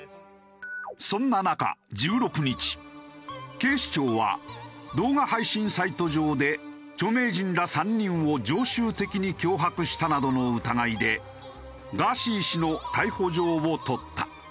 そんな中１６日警視庁は動画配信サイト上で著名人ら３人を常習的に脅迫したなどの疑いでガーシー氏の逮捕状を取った。